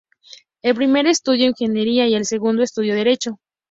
El primero estudió ingeniería y el segundo estudio derecho.